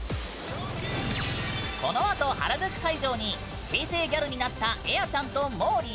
このあと原宿会場に平成ギャルになったエアちゃんともーりー。